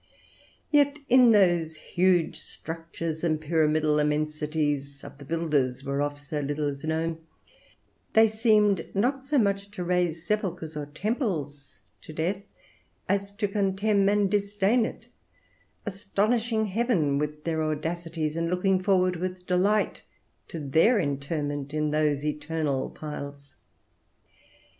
Yet in those huge structures and pyramidal immensities, of the builders whereof so little is known, they seemed not so much to raise sepulchres or temples to death as to contemn and disdain it, astonishing heaven with their audacities, and looking forward with delight to their interment in those eternal piles.